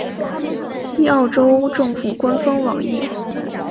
西澳州政府官方网页